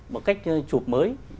một cách chụp mới